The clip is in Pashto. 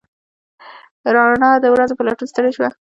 روڼا د ورځو په لټون ستړې شوه